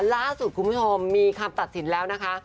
ล่าสุดคุณผู้ชมมีคำตัดสินแล้วนะคะ